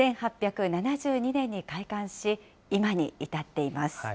１８７２年に開館し、今に至っています。